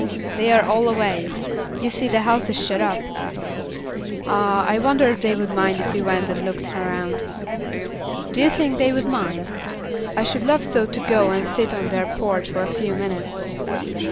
They are all away. You see the house is shut up." "Ah, I wonder if they would mind if we went in and looked around. Do you think they would mind? I should love so to go and sit on that porch for a few minutes."